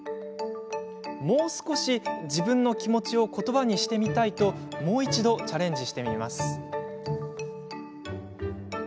もう少し自分の気持ちをことばにしてみたいともう一度チャレンジしてみます。